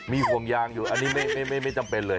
มีห่วงยางอยู่อันนี้ไม่จำเป็นเลย